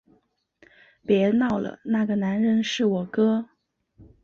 别闹了，那个男人是我哥